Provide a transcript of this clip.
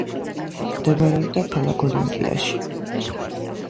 მდებარეობდა ქალაქ ოლიმპიაში.